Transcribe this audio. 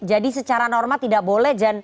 jadi secara normal tidak boleh